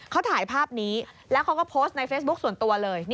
เขาถ่ายภาพนี้แล้วเขาก็โพสต์ในเฟซบุ๊คส่วนตัวเลย